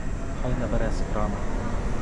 Хай набере з крана.